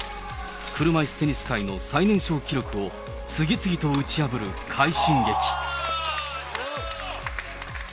車いすテニス界の最年少記録を次々と打ち破る快進撃。